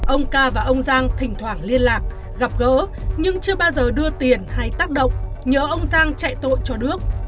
ông ca và ông giang thỉnh thoảng liên lạc gặp gỡ nhưng chưa bao giờ đưa tiền hay tác động nhớ ông giang chạy tội cho đước